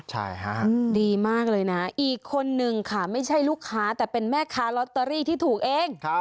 ใช่ฮะดีมากเลยนะอีกคนนึงค่ะไม่ใช่ลูกค้าแต่เป็นแม่ค้าลอตเตอรี่ที่ถูกเอง